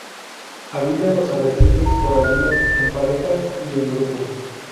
Habita en los arrecifes coralinos en parejas y grupos.